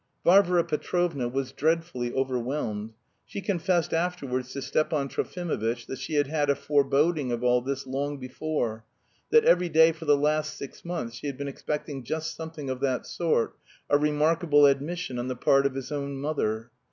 Varvara Petrovna was dreadfully overwhelmed. She confessed afterwards to Stepan Trofimovitch that she had had a foreboding of all this long before, that every day for the last six months she had been expecting "just something of that sort," a remarkable admission on the part of his own mother.